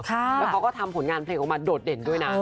แล้วเขาก็ทำผลงานเพลงออกมาโดดเด่นด้วยนะ